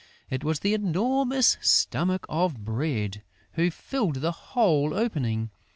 It was the enormous stomach of Bread, who filled the whole opening.